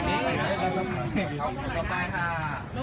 นี่จะออกล่ะ